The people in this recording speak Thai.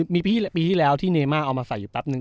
ปีที่แล้วที่เนม่าเอามาใส่อยู่แป๊บนึ